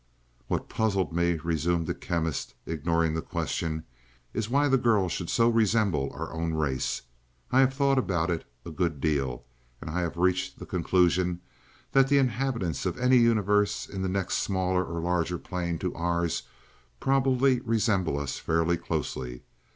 "What puzzled me," resumed the Chemist, ignoring the question, "is why the girl should so resemble our own race. I have thought about it a good deal, and I have reached the conclusion that the inhabitants of any universe in the next smaller or larger plane to ours probably resemble us fairly closely.